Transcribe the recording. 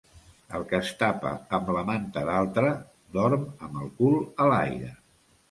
El que es tapa amb la manta d'altre, dorm amb el cul a l'aire.